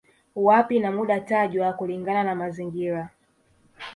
Wapi na muda tajwa kulingana na mazingira